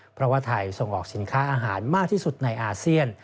เพราะว่าไทยส่งออกสินค้าอาหารมากที่สุดในอาเซียน